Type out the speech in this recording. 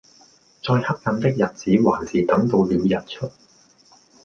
再黑暗的日子還是等到了日出